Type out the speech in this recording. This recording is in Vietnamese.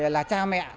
là cha mẹ